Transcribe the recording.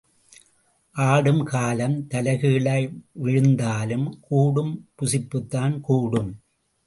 ஆடும் காலம் தலைகீழாய் விழுந்தாலும் கூடும் புசிப்புத்தான் கூடும்.